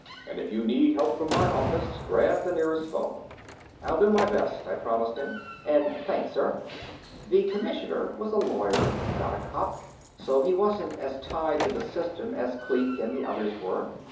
And if you need help from my office, grab the nearest phone." "I'll do my best," I promised him. "And thanks, sir." The Commissioner was a lawyer, not a cop, so he wasn't as tied to the system as Kleek and the others were.